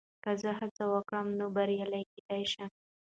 که زه هڅه وکړم، نو بریالی کېدای شم.